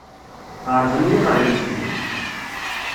Ɛerḍen-iyi ɣer yimekli.